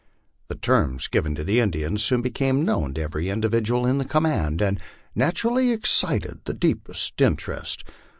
The terms given to the Indians soon became known to every individual in the command, and naturally excited the deepest interest.